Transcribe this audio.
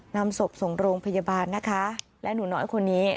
นำศพส่งโรงพยาบาลนะคะและหนูน้อยคนนี้